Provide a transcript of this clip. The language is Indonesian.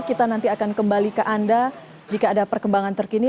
kita nanti akan kembali ke anda jika ada perkembangan terkini